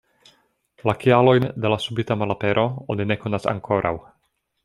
La kialojn de la subita malapero oni ne konas ankoraŭ.